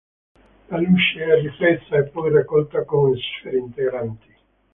La luce riflessa è poi raccolta con "sfere integranti".